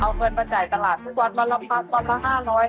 เอาเงินมาจ่ายตลาดทุกวันมาละ๕๐๐บาท